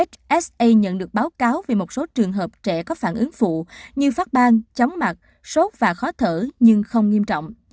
fse nhận được báo cáo về một số trường hợp trẻ có phản ứng phụ như phát bang chóng mặt sốt và khó thở nhưng không nghiêm trọng